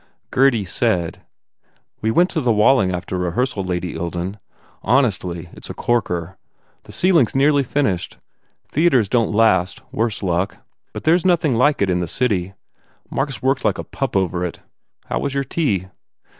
Gurdy said, "We went to the Walling after rehearsal, Lady Ilden. Hon estly, it s a corker. The ceiling s nearly finished. Theatres don t last, worse luck. But there s 219 THE FAIR REWARDS nothing like it in the city. Mark s worked like a pup over it. How was your tea?"